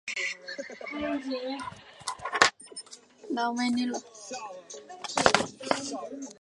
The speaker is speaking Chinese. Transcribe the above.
此时的西突厥仅仅是当初的东边一小部分。